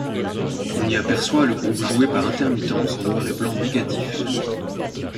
On y aperçoit le groupe jouer par intermittence en noir et blanc négatif.